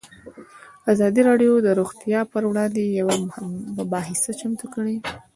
ازادي راډیو د روغتیا پر وړاندې یوه مباحثه چمتو کړې.